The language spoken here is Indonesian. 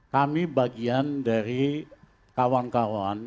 kami bagian dari kawan kawan